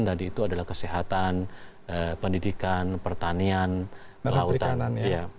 tadi itu adalah kesehatan pendidikan pertanian perhautan